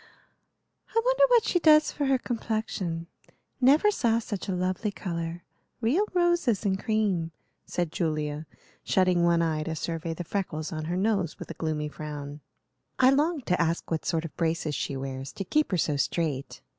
"I wonder what she does for her complexion. Never saw such a lovely color. Real roses and cream," said Julia, shutting one eye to survey the freckles on her nose, with a gloomy frown. "I longed to ask what sort of braces she wears, to keep her so straight.